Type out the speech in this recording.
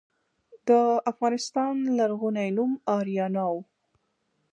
د افغانستان لرغونی نوم اریانا و